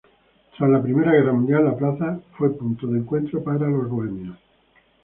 Tras la Primera Guerra Mundial, la plaza fue punto de encuentro para los bohemios.